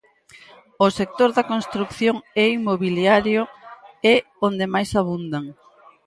O sector da construción e inmobiliario é onde máis abundan.